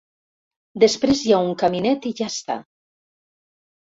Després hi ha un caminet i ja està.